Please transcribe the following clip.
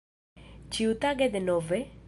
Ĉiutage denove?